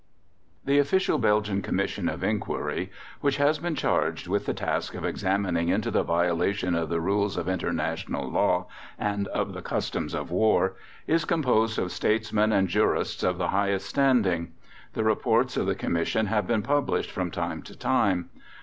The Official Belgian Commission of Inquiry, which has been charged with the task of examining into the violation of the rules of International Law and of the Customs of War, is composed of Statesmen and Jurists of the highest standing. The Reports of the Commission have been published from time to time.